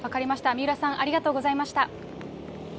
三浦さん、ありがとうございました。